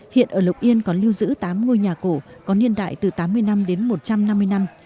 hiện ở lộc yên còn lưu giữ tám ngôi nhà cổ có niên đại từ tám mươi năm đến một trăm năm mươi năm